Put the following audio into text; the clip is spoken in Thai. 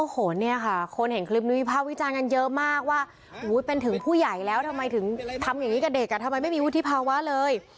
โหเนี่ยค่ะคนเห็นคลิปนี้อีกมากว่าเป็นถึงผู้ใหญ่แล้วทำไมถึงทำอย่างนี้กับเด็กเป็นไม่มีบทฤพธิ์วะเลย